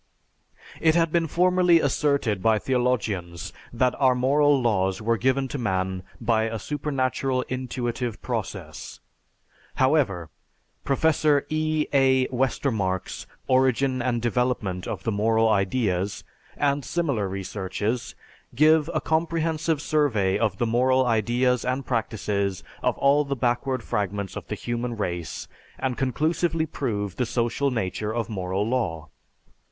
It had been formerly asserted by theologians that our moral laws were given to man by a supernatural intuitive process. However, Professor E. A. Westermarck's "Origin and Development of the Moral Ideas," and similar researches, give a comprehensive survey of the moral ideas and practices of all the backward fragments of the human race and conclusively prove the social nature of moral law.